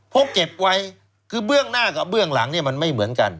เพราะเก็บไว้คือเบื้องหน้ากับเบื้องหลังเนี่ยมันไม่เหมือนกัน